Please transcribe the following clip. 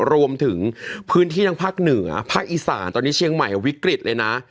รวมถึงพื้นที่ทั้งภาคเหนือภาคอีสานตอนนี้เชียงใหม่วิกฤตเลยนะ